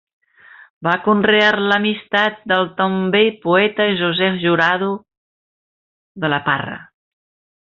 Va conrear l'amistat del també poeta José Jurado de la Parra.